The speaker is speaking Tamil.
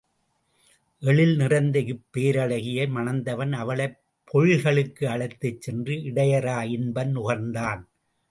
எழில் நிறைந்த இப்பேரழகியை மணந்தவன் அவளைப் பொழில்களுக்கு அழைத்துச் சென்று இடையறா இன்பம் நுகர்ந்தான்.